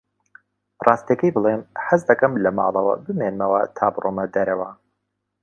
ڕاستییەکەی بڵێم، حەز دەکەم لە ماڵەوە بمێنمەوە تا بڕۆمە دەرەوە.